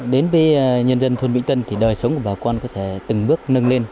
đến với nhân dân thôn vĩnh tân thì đời sống của bà con có thể từng bước nâng lên